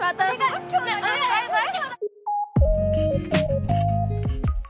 バイバイ。